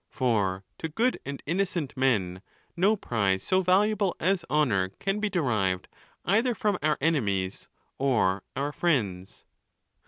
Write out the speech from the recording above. For to good and innocent men, no prize so valuable as honour can be derived either from our enemies or our friends.